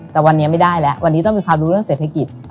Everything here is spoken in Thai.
แต่วันนี้ไม่ได้แล้ววันนี้ต้องมีความรู้เรื่องเศรษฐกิจ